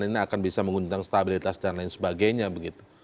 ini akan bisa mengundang stabilitas dan lain sebagainya begitu